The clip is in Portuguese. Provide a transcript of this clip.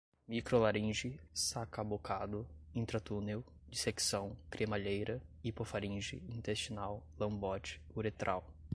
micro laringe, sacabocado, intratunel, dissecção, cremalheira, hipofaringe, intestinal, lambote, uretral